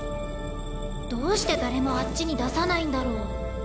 どうして誰もあっちに出さないんだろう。